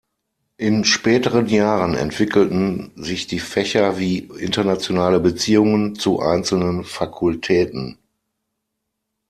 In späteren Jahren entwickelten sich die Fächer wie Internationale Beziehungen zu einzelnen Fakultäten.